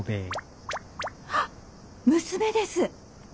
あっ娘です。